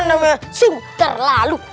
itu namanya sung terlalu